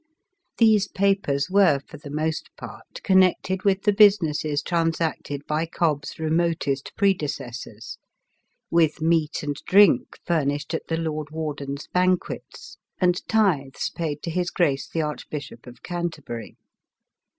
These papers were, for the most part, connected with the bus inesses transacted by Cobb's remotest predecessors; with meat and drink fur nished at the Lord Warden's banquets, and tithes paid to his Grace the Arch bishop of Canterbury.